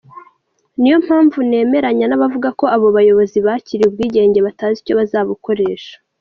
Niyo mpamvu nemeranya n’abavuga ko abo bayobozi bakiriye ubwigenge batazi icyo bazabukoresha.